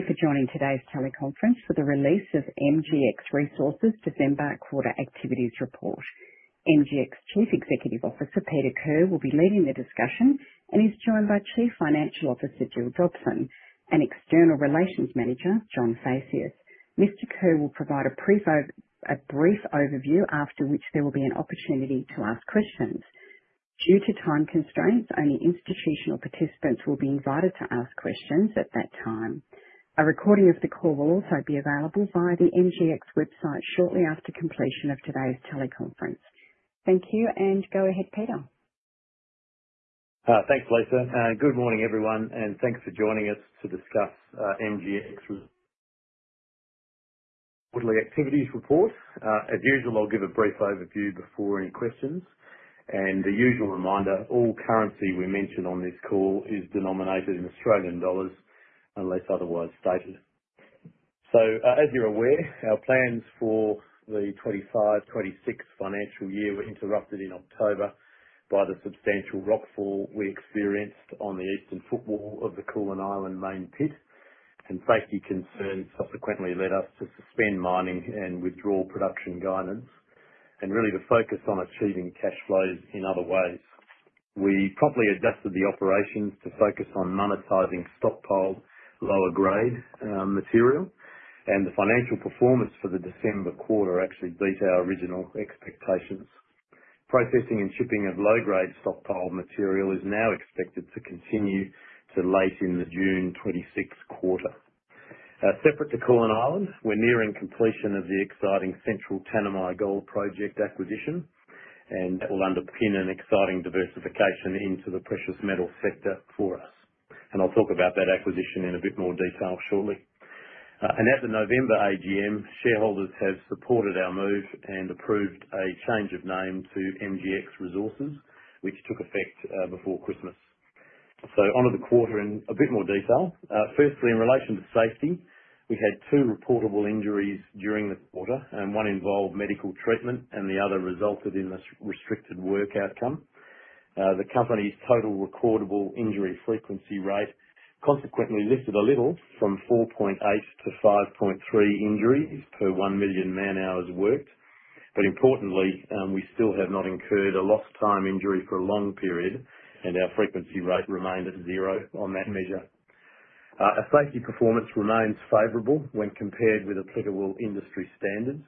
Thank you for joining today's teleconference for the release of MGX Resources December Quarter Activities Report. MGX Chief Executive Officer Peter Kerr will be leading the discussion and is joined by Chief Financial Officer Gill Dobson and External Relations Manager John Phaceas. Mr. Kerr will provide a brief overview after which there will be an opportunity to ask questions. Due to time constraints, only institutional participants will be invited to ask questions at that time. A recording of the call will also be available via the MGX website shortly after completion of today's teleconference. Thank you, and go ahead, Peter. Thanks, Lisa. Good morning, everyone, and thanks for joining us to discuss MGX's quarterly activities report. As usual, I'll give a brief overview before any questions. And a usual reminder, all currency we mention on this call is denominated in Australian dollars unless otherwise stated. So, as you're aware, our plans for the 2025/2026 financial year were interrupted in October by the substantial rockfall we experienced on the eastern footwall of the Koolan Island main pit, and safety concerns subsequently led us to suspend mining and withdraw production guidance, and really to focus on achieving cash flows in other ways. We promptly adjusted the operations to focus on monetizing stockpile lower-grade material, and the financial performance for the December quarter actually beat our original expectations. Processing and shipping of low-grade stockpile material is now expected to continue to late in the June 2026 quarter. Separate to Koolan Island, we're nearing completion of the exciting Central Tanami Gold Project acquisition, and that will underpin an exciting diversification into the precious metal sector for us, and I'll talk about that acquisition in a bit more detail shortly, and at the November AGM, shareholders have supported our move and approved a change of name to MGX Resources, which took effect before Christmas, so onto the quarter in a bit more detail. Firstly, in relation to safety, we had two reportable injuries during the quarter, and one involved medical treatment and the other resulted in this restricted work outcome. The company's total recordable injury frequency rate consequently lifted a little from 4.8 to 5.3 injuries per one million man-hours worked, but importantly, we still have not incurred a lost-time injury for a long period, and our frequency rate remained at zero on that measure. Our safety performance remains favorable when compared with applicable industry standards.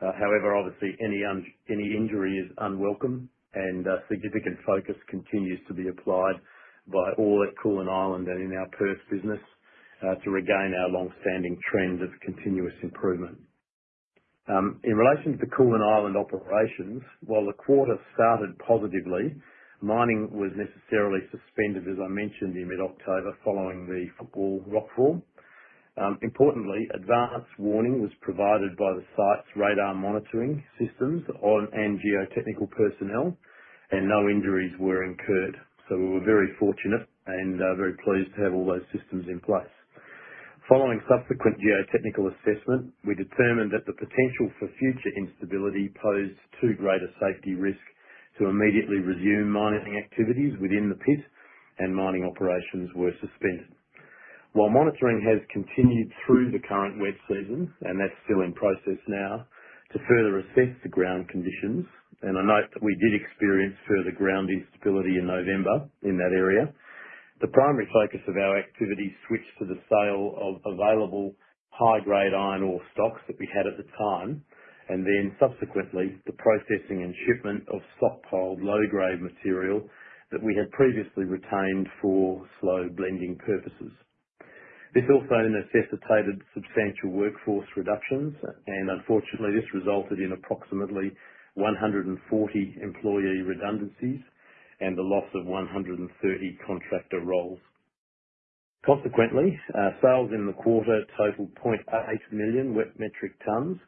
However, obviously, any injury is unwelcome, and significant focus continues to be applied by all at Koolan Island and in our Perth business to regain our longstanding trend of continuous improvement. In relation to the Koolan Island operations, while the quarter started positively, mining was necessarily suspended, as I mentioned, in mid-October following the footwall rockfall. Importantly, advance warning was provided by the site's radar monitoring systems and geotechnical personnel, and no injuries were incurred. So we were very fortunate and very pleased to have all those systems in place. Following subsequent geotechnical assessment, we determined that the potential for future instability posed too great a safety risk to immediately resume mining activities within the pit, and mining operations were suspended. While monitoring has continued through the current wet season, and that's still in process now, to further assess the ground conditions, and I note that we did experience further ground instability in November in that area, the primary focus of our activity switched to the sale of available high-grade iron ore stocks that we had at the time, and then subsequently the processing and shipment of stockpile low-grade material that we had previously retained for slow blending purposes. This also necessitated substantial workforce reductions, and unfortunately, this resulted in approximately 140 employee redundancies and the loss of 130 contractor roles. Consequently, sales in the quarter totaled 0.8 million wet metric tons,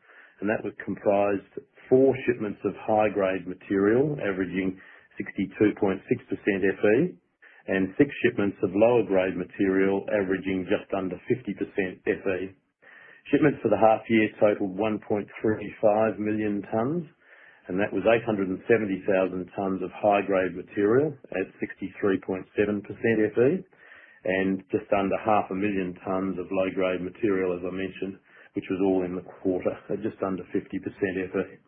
and that comprised four shipments of high-grade material averaging 62.6% Fe and six shipments of lower-grade material averaging just under 50% Fe. Shipments for the half-year totaled 1.35 million tons, and that was 870,000 tons of high-grade material at 63.7% Fe and just under 500,000 tons of low-grade material, as I mentioned, which was all in the quarter at just under 50% Fe.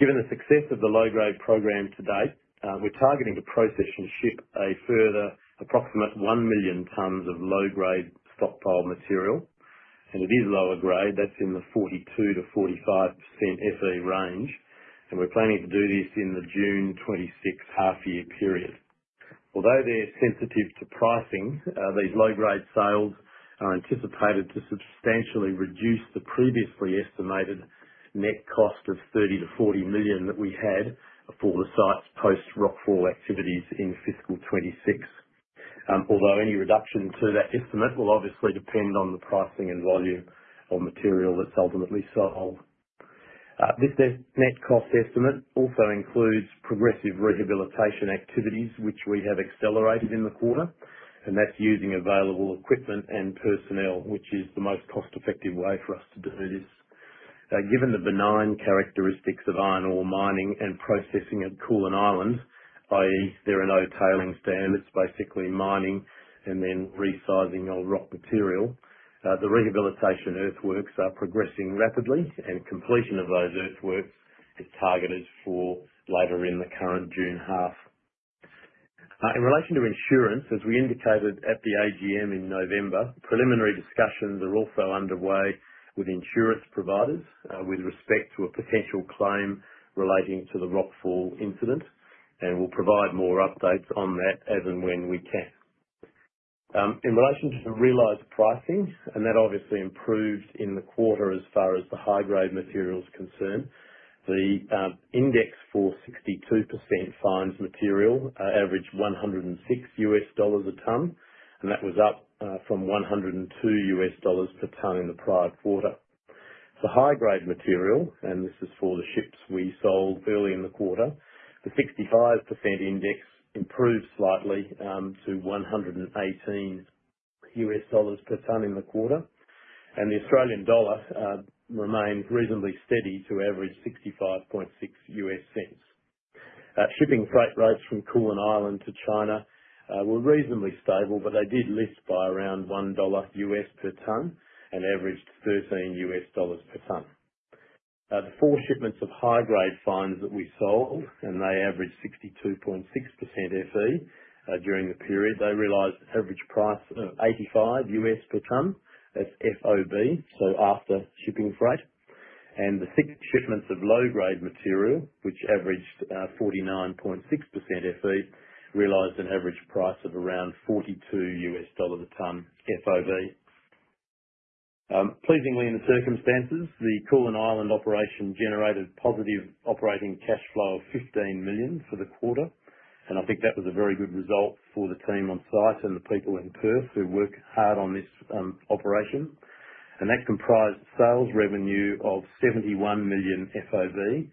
Given the success of the low-grade program to date, we're targeting to process and ship a further approximate 1 million tons of low-grade stockpile material, and it is lower grade. That's in the 42%-45% Fe range, and we're planning to do this in the June 2026 half-year period. Although they're sensitive to pricing, these low-grade sales are anticipated to substantially reduce the previously estimated net cost of 30 million-40 million that we had for the site's post-rockfall activities in fiscal 2026, although any reduction to that estimate will obviously depend on the pricing and volume of material that's ultimately sold. This net cost estimate also includes progressive rehabilitation activities, which we have accelerated in the quarter, and that's using available equipment and personnel, which is the most cost-effective way for us to do this. Given the benign characteristics of iron ore mining and processing at Koolan Island, i.e., there are no tailings there, it's basically mining and then resizing of rock material, the rehabilitation earthworks are progressing rapidly, and completion of those earthworks is targeted for later in the current June half. In relation to insurance, as we indicated at the AGM in November, preliminary discussions are also underway with insurance providers with respect to a potential claim relating to the rockfall incident, and we'll provide more updates on that as and when we can. In relation to realized pricing, and that obviously improved in the quarter as far as the high-grade material is concerned, the index for 62% fines material averaged $106 a ton, and that was up from $102 per ton in the prior quarter. For high-grade material, and this is for the ships we sold early in the quarter, the 65% index improved slightly to $118 per ton in the quarter, and the Australian dollar remained reasonably steady to average $0.656. Shipping freight rates from Koolan Island to China were reasonably stable, but they did lift by around $1 per ton and averaged $13 per ton. The four shipments of high-grade fines that we sold, and they averaged 62.6% Fe during the period, they realized average price of $85 per ton as FOB, so after shipping freight, and the six shipments of low-grade material, which averaged 49.6% Fe, realized an average price of around $42 a ton FOB. Pleasingly, in the circumstances, the Koolan Island operation generated positive operating cash flow of 15 million for the quarter, and I think that was a very good result for the team on site and the people in Perth who work hard on this operation. And that comprised sales revenue of 71 million FOB,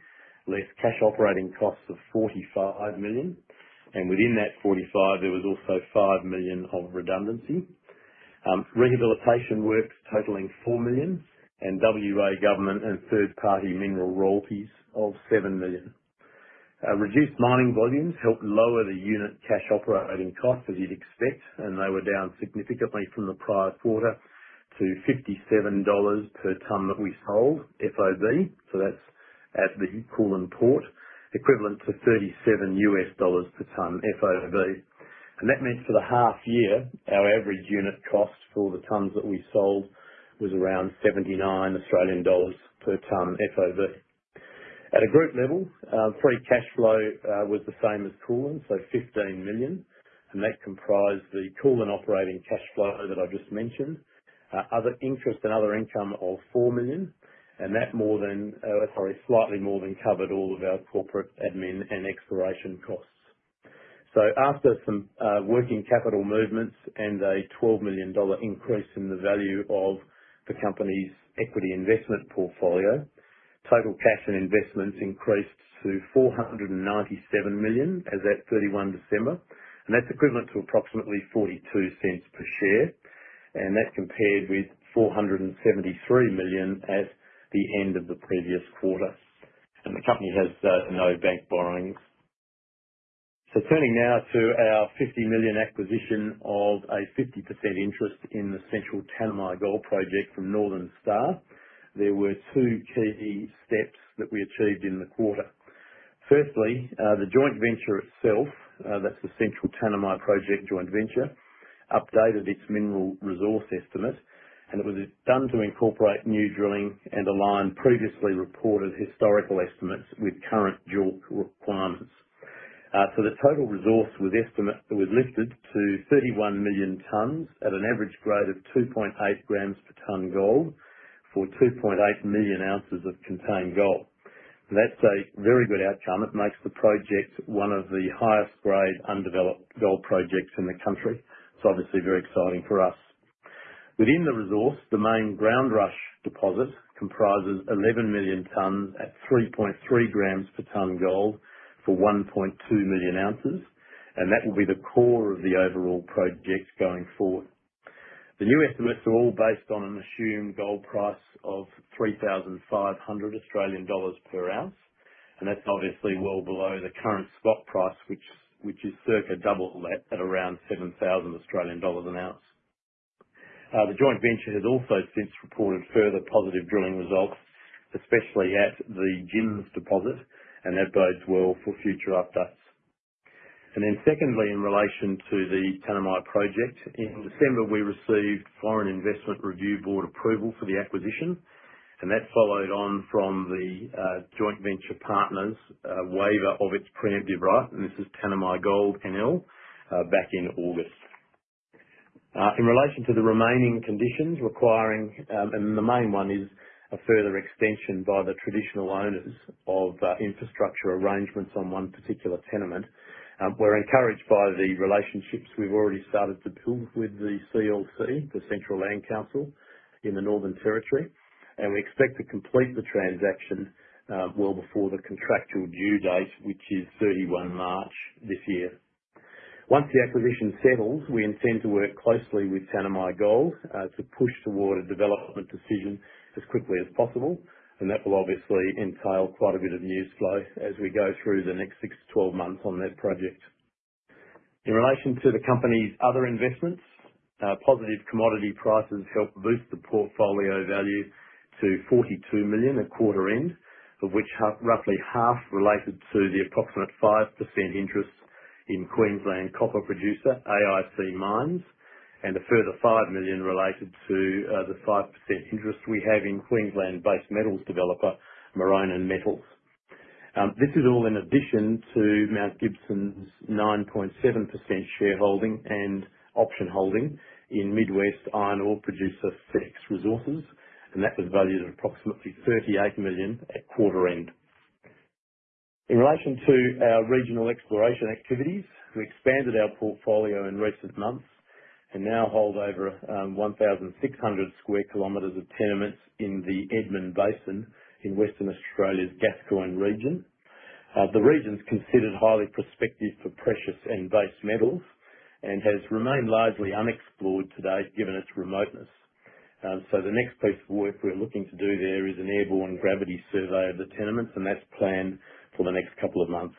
less cash operating costs of 45 million, and within that 45, there was also 5 million of redundancy, rehabilitation work totaling 4 million, and WA government and third-party mineral royalties of 7 million. Reduced mining volumes helped lower the unit cash operating cost, as you'd expect, and they were down significantly from the prior quarter to 57 dollars per ton that we sold FOB, so that's at the Koolan port, equivalent to $37 per ton FOB. And that meant for the half-year, our average unit cost for the tons that we sold was around 79 Australian dollars per ton FOB. At a group level, free cash flow was the same as Koolan, so 15 million, and that comprised the Koolan operating cash flow that I just mentioned, interest and other income of 4 million, and that slightly more than covered all of our corporate admin and exploration costs. So after some working capital movements and an 12 million dollar increase in the value of the company's equity investment portfolio, total cash and investments increased to 497 million as at 31 December, and that's equivalent to approximately 0.42 per share, and that compared with 473 million at the end of the previous quarter, and the company has no bank borrowings. So turning now to our 50 million acquisition of a 50% interest in the Central Tanami Gold project from Northern Star, there were two key steps that we achieved in the quarter. Firstly, the joint venture itself, that's the Central Tanami Project joint venture, updated its mineral resource estimate, and it was done to incorporate new drilling and align previously reported historical estimates with current JORC requirements. The total resource estimate was lifted to 31 million tons at an average grade of 2.8 grams per ton gold for 2.8 million ounces of contained gold. That's a very good outcome. It makes the project one of the highest-grade undeveloped gold projects in the country, so obviously very exciting for us. Within the resource, the main Groundrush deposit comprises 11 million tons at 3.3 grams per ton gold for 1.2 million ounces, and that will be the core of the overall project going forward. The new estimates are all based on an assumed gold price of 3,500 Australian dollars per ounce, and that's obviously well below the current spot price, which is circa double that at around 7,000 Australian dollars an ounce. The joint venture has also since reported further positive drilling results, especially at the Jims deposit, and that bodes well for future updates. And then secondly, in relation to the Tanami project, in December we received Foreign Investment Review Board approval for the acquisition, and that followed on from the joint venture partner's waiver of its preemptive right, and this is Tanami Gold NL, back in August. In relation to the remaining conditions requiring, and the main one is a further extension by the traditional owners of infrastructure arrangements on one particular tenement, we're encouraged by the relationships we've already started to build with the CLC, the Central Land Council, in the Northern Territory, and we expect to complete the transaction well before the contractual due date, which is 31 March this year. Once the acquisition settles, we intend to work closely with Tanami Gold to push toward a development decision as quickly as possible, and that will obviously entail quite a bit of news flow as we go through the next 6-12 months on that project. In relation to the company's other investments, positive commodity prices help boost the portfolio value to 42 million at quarter end, of which roughly half related to the approximate 5% interest in Queensland copper producer AIC Mines, and a further 5 million related to the 5% interest we have in Queensland-based metals developer Maronan Metals. This is all in addition to Mount Gibson's 9.7% shareholding and option holding in Mid West iron ore producer FEX Resources, and that was valued at approximately 38 million at quarter end. In relation to our regional exploration activities, we expanded our portfolio in recent months and now hold over 1,600 sq km of tenements in the Edmund Basin in Western Australia's Gascoyne region. The region's considered highly prospective for precious and base metals and has remained largely unexplored today given its remoteness, so the next piece of work we're looking to do there is an airborne gravity survey of the tenements, and that's planned for the next couple of months,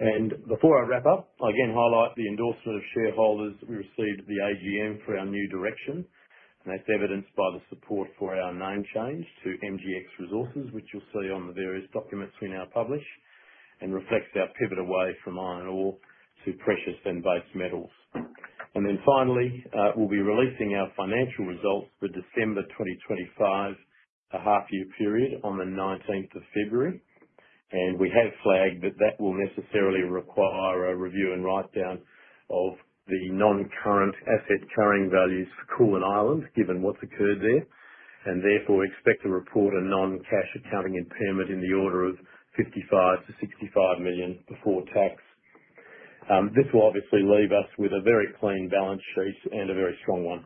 and before I wrap up, I again highlight the endorsement of shareholders we received at the AGM for our new direction, and that's evidenced by the support for our name change to MGX Resources, which you'll see on the various documents we now publish, and reflects our pivot away from iron ore to precious and base metals. And then finally, we'll be releasing our financial results for December 2025, a half-year period on the 19th of February, and we have flagged that that will necessarily require a review and write-down of the non-current asset carrying values for Koolan Island, given what's occurred there, and therefore expect to report a non-cash accounting impairment in the order of 55 million-65 million before tax. This will obviously leave us with a very clean balance sheet and a very strong one.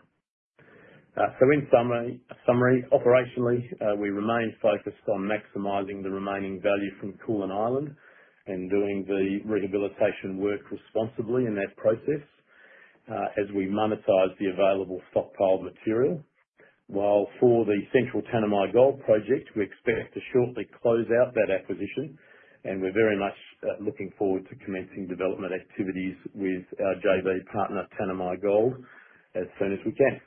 So in summary, operationally, we remain focused on maximizing the remaining value from Koolan Island and doing the rehabilitation work responsibly in that process as we monetize the available stockpile material, while for the Central Tanami Gold Project, we expect to shortly close out that acquisition, and we're very much looking forward to commencing development activities with our JV partner Tanami Gold as soon as we can.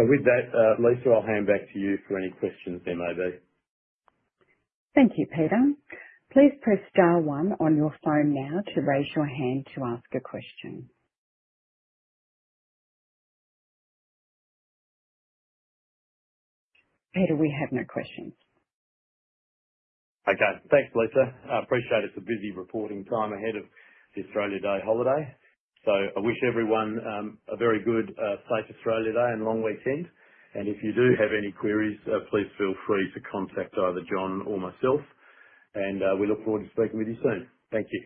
So with that, Lisa, I'll hand back to you for any questions there may be. Thank you, Peter. Please press star one on your phone now to raise your hand to ask a question. Peter, we have no questions. Okay, thanks, Lisa. I appreciate it's a busy reporting time ahead of the Australia Day holiday, so I wish everyone a very good happy Australia Day and long weekend, and if you do have any queries, please feel free to contact either John or myself, and we look forward to speaking with you soon. Thank you.